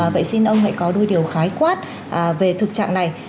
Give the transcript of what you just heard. vậy xin ông hãy có đôi điều khái quát về thực trạng này